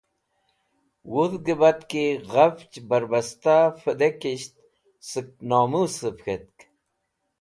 Wudhgẽ batki ghafch bẽrbesta vẽdikisht sẽk nomũsẽv k̃htk.